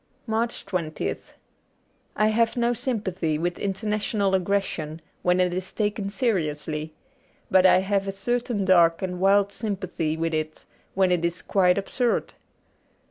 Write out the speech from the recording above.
85 MARCH 20th I HAVE no sympathy with international aggres sion when it is taken seriously, but I have a certain dark and wild sympathy with it when it is quite absurd.